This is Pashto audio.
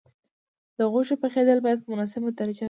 د غوښې پخېدل باید په مناسبه درجه وي.